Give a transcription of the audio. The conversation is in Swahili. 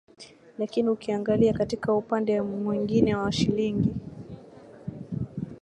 lakini ukiangalia katika upande mwingine wa shilingi